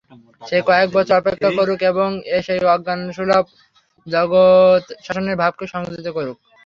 সে কয়েক বৎসর অপেক্ষা করুক, এবং এই অজ্ঞানসুলভ জগৎশাসনের ভাবকে সংযত করুক।